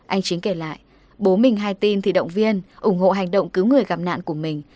anh chính kể lại bố mình hai tin thì động viên ủng hộ hành động cứu người gặp nạn của mình